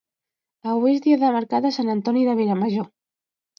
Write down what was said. Avui és dia de mercat a Sant Antoni de Vilamajor